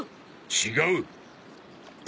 違う！